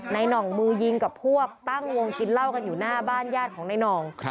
หน่องมือยิงกับพวกตั้งวงกินเหล้ากันอยู่หน้าบ้านญาติของนายน่อง